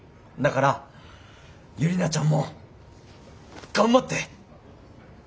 だからユリナちゃんも頑張って！